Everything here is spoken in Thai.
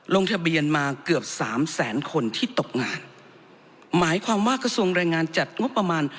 ลงทะเบียนมาเกือบสามแสนคนที่ตกงานหมายความว่ากระทรวงแรงงานจัดงบประมาณ